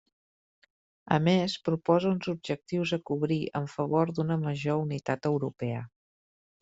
A més proposa uns objectius a cobrir en favor d'una major unitat europea.